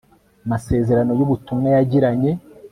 masezerano y ubutumwa yagiranye